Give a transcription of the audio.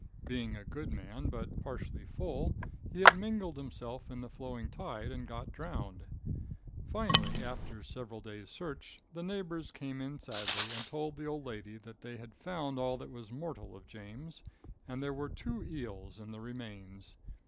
Being a good man, but partially full, he had mingled himself in the flowing tide and got drowned. Finally, after several days' search, the neighbors came in sadly and told the old lady thai they had found all that was mortal of James, and there were two eels in the remains.